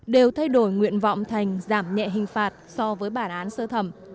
đều thay đổi nguyện vọng thành giảm nhẹ hình phạt so với bản án sơ thẩm